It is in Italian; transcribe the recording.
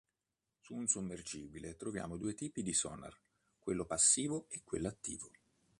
Su un sommergibile troviamo due tipi di "sonar", quello passivo e quello attivo.